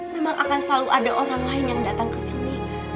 memang akan selalu ada orang lain yang datang ke sini